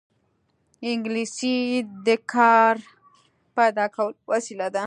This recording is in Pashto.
انګلیسي د کار پیدا کولو وسیله ده